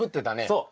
そう。